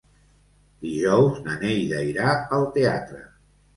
Dijous na Neida irà al teatre.